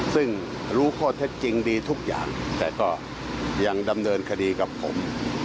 ซึ่งรู้ข้อเท็จจริงดีทุกอย่างแต่ก็ยังดำเนินคดีกับผม